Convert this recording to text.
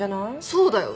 そうだよ。